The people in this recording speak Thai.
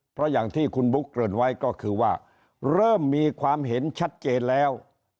เพราะอย่างที่คุณบุ๊คเกริ่นไว้ก็คือว่าเริ่มมีความเห็นชัดเจนแล้ว